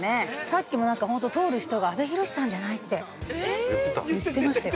さっきも、通る人が阿部寛さんじゃない？って◆言ってた？